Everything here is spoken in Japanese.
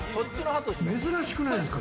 珍しくないですか？